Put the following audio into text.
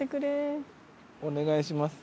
お願いします。